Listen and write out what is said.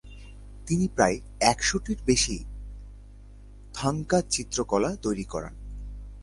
তিনি প্রায় একশোটির বেশি থাংকা চিত্রকলা তৈরী করান।